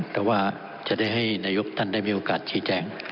แต่ว่าจะได้ให้นายกท่านได้มีโอกาสชี้แจง